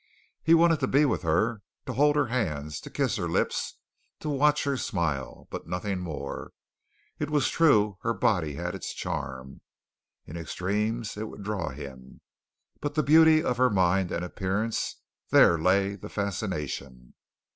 He wanted to be with her, to hold her hands, to kiss her lips, to watch her smile; but nothing more. It was true her body had its charm. In extremes it would draw him, but the beauty of her mind and appearance there lay the fascination.